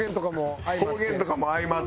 「方言とかも相まって」。